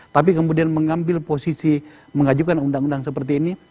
tapi kemudian mengambil posisi mengajukan undang undang seperti ini